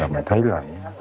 mình thấy là